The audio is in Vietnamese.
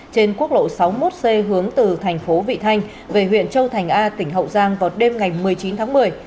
trên quốc lộ sáu mươi một c hướng từ thành phố vị thanh về huyện châu thành a tỉnh hậu giang vào đêm ngày một mươi chín tháng một mươi